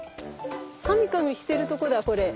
カミカミしてるとこだこれ。